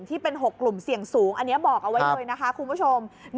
ที่เป็น๖กลุ่มเสี่ยงสูงอันนี้บอกเอาไว้เลยนะคะคุณผู้ชม